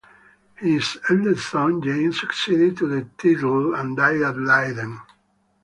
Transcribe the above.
His eldest son, James, succeeded to the title, and died at Leyden.